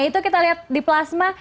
itu kita lihat di plasma